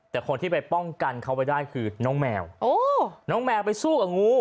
แต่คนที่ไปป้องกันเขาไว้ได้คือน้องแมวน้องแมวไปสู้กับงู